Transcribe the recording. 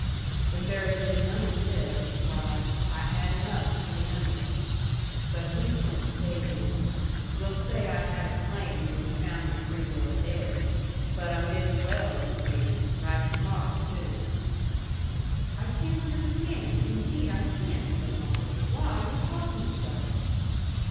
If there had been none of this, why, I had enough to remember! But please don't stay, ma'am. We'll say I had a claim when yu' found me pretty well dead, but I'm gettin' well, yu' see right smart, too!" "I can't understand, indeed I can't," said Molly, "why you're talking so!"